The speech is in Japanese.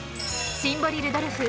シンボリルドルフ